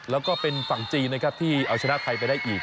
แล้วก็เป็นฝั่งจีนนะครับที่เอาชนะไทยไปได้อีก